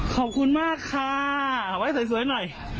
ขอบคุณมากค่ะเอาไว้สวยหน่อย